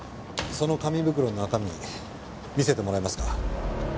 その紙袋の中身見せてもらえますか？